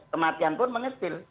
kematian pun mengecil